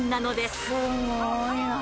すごいな。